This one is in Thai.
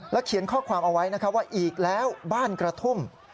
เขียนข้อความเอาไว้นะครับว่าอีกแล้วบ้านกระทุ่ม